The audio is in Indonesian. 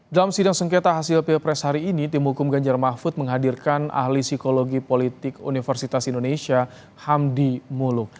dalam sidang sengketa hasil pilpres hari ini tim hukum ganjar mahfud menghadirkan ahli psikologi politik universitas indonesia hamdi muluk